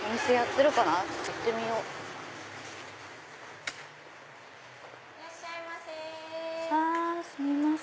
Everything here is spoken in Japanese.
いらっしゃいませ。